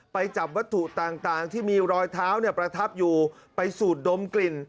ไปจับวัตถุต่างที่มีรอยเท้าเนี่ยประทับอยู่ไปสูดดมกลิ่น